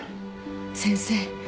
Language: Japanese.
先生。